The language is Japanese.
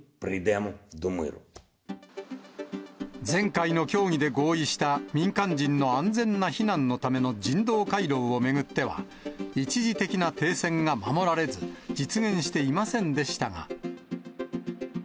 前回の協議で合意した民間人の安全な避難のための人道回廊を巡っては、一時的な停戦が守られず、実現していませんでしたが。